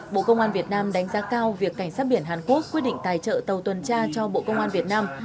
bộ công an việt nam đánh giá cao việc cảnh sát biển hàn quốc quyết định tài trợ tàu tuần tra cho bộ công an việt nam